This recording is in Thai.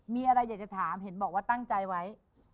มีอะไรอยากจะถามเห็นบอกว่าตั้งใจไว้